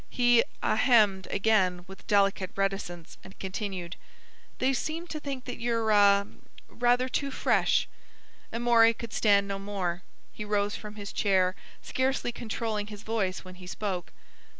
He a hemmed again with delicate reticence, and continued: "They seem to think that you're—ah—rather too fresh—" Amory could stand no more. He rose from his chair, scarcely controlling his voice when he spoke.